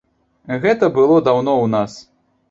Гэта было даўно ў нас.